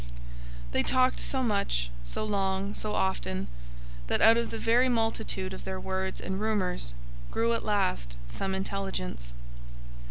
They talked so much, so long, so often, that, out of the very multitude of their words and rumours, grew at last some intelligence.